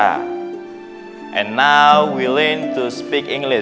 dan sekarang kita belajar bahasa inggris kan